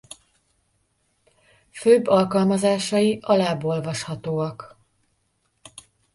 Főbb alkalmazásai alább olvashatóak.